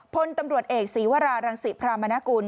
พลตำรวจเอกศีวรารังศิพรามนากุล